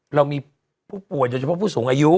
เรามีผู้ป่วยโดยเฉพาะผู้สูงอายุ